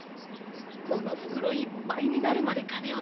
この袋いっぱいになるまで金を貯める。